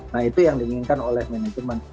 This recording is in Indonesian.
nah itu yang diinginkan oleh manajemen